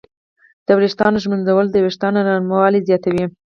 د ویښتانو ږمنځول د وېښتانو نرموالی زیاتوي.